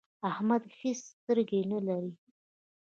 احمد هيڅ سترګې نه لري.